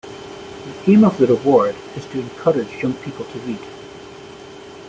The aim of the reward is to encourage young people to read.